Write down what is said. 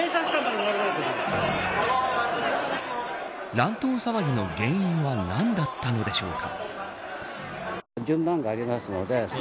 乱闘騒ぎの原因は何だったのでしょうか。